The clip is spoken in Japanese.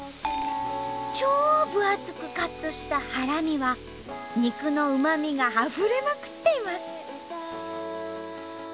超分厚くカットしたハラミは肉のうまみがあふれまくっています！